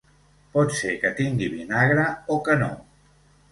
Pot ser que tingui vinagre o que no.